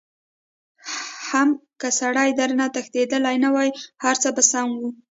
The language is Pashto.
حم که سړی درنه تښتېدلی نه وای هرڅه به سم وو.